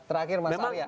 terakhir mas arya